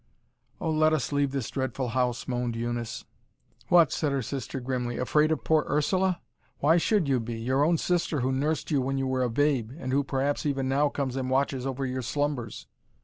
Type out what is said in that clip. "Oh, let us leave this dreadful house," moaned Eunice. "What!" said her sister grimly; "afraid of poor Ursula? Why should you be? Your own sister who nursed you when you were a babe, and who perhaps even now comes and watches over your slumbers."